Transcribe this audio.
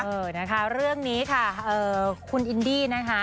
เออนะคะเรื่องนี้ค่ะคุณอินดี้นะคะ